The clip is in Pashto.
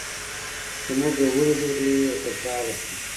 چې موږ یې ولیدو، ډېر خوشحاله شو.